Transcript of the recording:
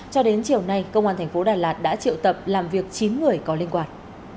cho đến chiều nay công an tp đà lạt đã triệu tập làm việc chín người có liên quan